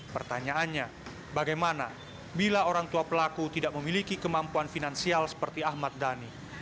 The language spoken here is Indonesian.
pertanyaannya bagaimana bila orang tua pelaku tidak memiliki kemampuan finansial seperti ahmad dhani